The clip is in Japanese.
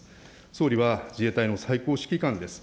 総理は自衛隊の最高指揮官です。